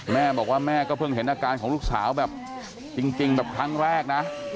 แม่บอกว่าแม่ก็เพิ่งเห็นอาการของลูกสาวแบบจริงแบบครั้งแรกนะ